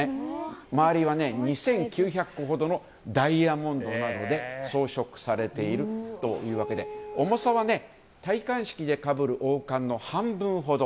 周りは２９００個ほどのダイヤモンドなどで装飾されているというわけで重さは戴冠式でかぶる王冠の半分ほど。